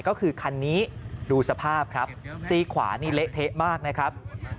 ก็คือคันนี้ดูสภาพครับซี่ขวานี่เละเทะมากนะครับ